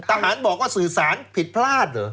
ทหารบอกว่าสื่อสารผิดพลาดเหรอ